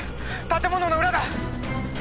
建物の裏だ